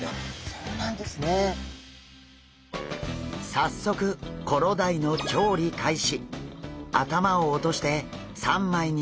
早速コロダイの調理開始！